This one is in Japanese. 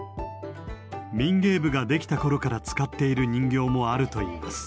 民芸部ができた頃から使っている人形もあるといいます。